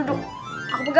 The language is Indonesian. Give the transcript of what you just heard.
enggak nabrak aku juga